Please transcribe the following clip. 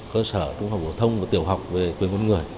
cơ sở trung học phổ thông và tiểu học về quyền con người